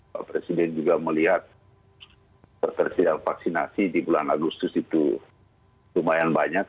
pak presiden juga melihat ketersediaan vaksinasi di bulan agustus itu lumayan banyak